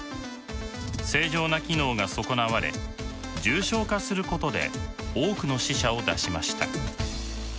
正常な機能が損なわれ重症化することで多くの死者を出しました。